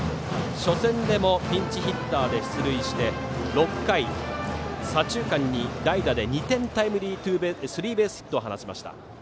初戦でもピンチヒッターで出塁して６回、左中間に代打で２点タイムリースリーベースヒットを放ちました。